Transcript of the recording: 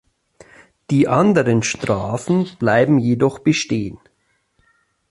Die anderen Strafen bleiben jedoch bestehen.